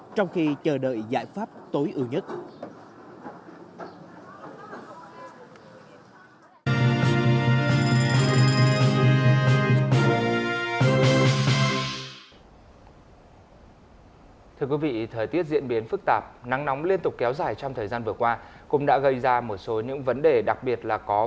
trong khi chờ đợi giải pháp tối ưu nhất